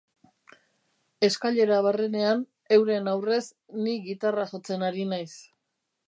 Eskailera barrenean, euren aurrez, ni gitarra jotzen ari naiz.